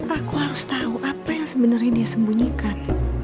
aku harus tau apa yang sebenernya dia sembunyikan